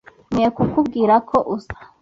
Nkwiye kubwira ko uza?